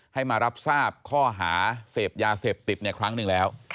ให้มารับทราบข้อหาเสพยาเสพติดครั้งหนึ่งแล้ว